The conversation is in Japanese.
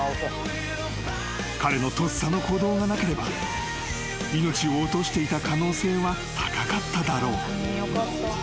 ［彼のとっさの行動がなければ命を落としていた可能性は高かっただろう］